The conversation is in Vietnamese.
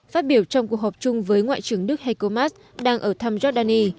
phát biểu trong cuộc họp chung với ngoại trưởng đức heiko maas đang ở thăm giọc đan nhi